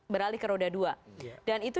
beralih ke roda dua dan itu